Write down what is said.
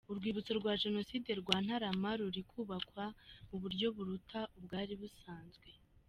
Urwibutso rwa Jenoside rwa Ntarama ruri kubakwa mu buryo buruta ubwari busanzwe.